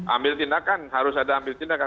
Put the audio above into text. ambil tindakan harus ada ambil tindakan